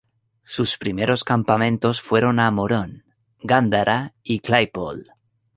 Sus primeros campamentos fueron a Morón, Gándara y Claypole.